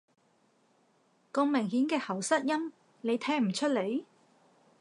咁明顯嘅喉塞音，你聽唔出來？